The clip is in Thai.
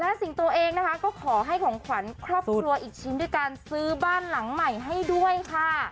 และสิ่งตัวเองนะคะก็ขอให้ของขวัญครอบครัวอีกชิ้นด้วยการซื้อบ้านหลังใหม่ให้ด้วยค่ะ